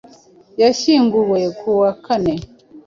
yashyinguwe ku wa Kane,